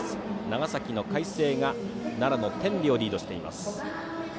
長崎の海星が奈良の天理をリードしています。